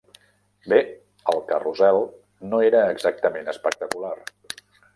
Bé, el carrusel no era exactament espectacular.